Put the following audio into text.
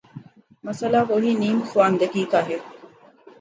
مسئلہ وہی نیم خواندگی کا ہے۔